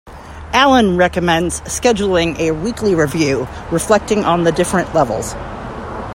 Allen recommends scheduling a weekly review, reflecting on the different levels.